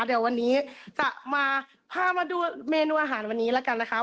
เดี๋ยววันนี้จะมาพามาดูเมนูอาหารวันนี้แล้วกันนะคะ